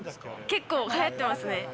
結構流行ってますね。